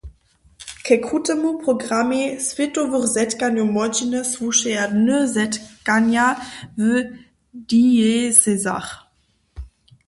Ke krutemu programej swětowych zetkanjow młodźiny słušeja Dny zetkanja w diecezach.